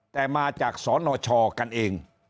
แต่มาจากสนชกันเอง